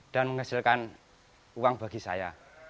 dan menghasilkan uang bagi saya